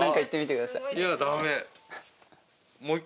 いやダメ。